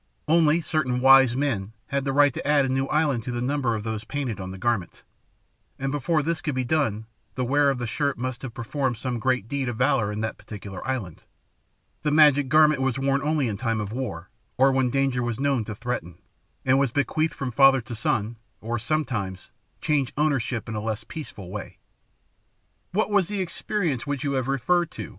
Only certain "wise men" had the right to add a new island to the number of those painted on the garment, and before this could be done the wearer of the shirt must have performed some great deed of valour in that particular island. The magic garment was worn only in time of war, or when danger was known to threaten, and was bequeathed from father to son, or, sometimes, changed ownership in a less peaceful way. "What was the experience which you have referred to?"